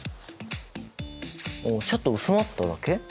あちょっと薄まっただけ？